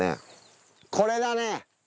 これだね！